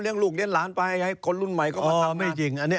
เลี้ยงลูกเรียนหลานไปให้คนลุ่นใหม่เขามาทำงาน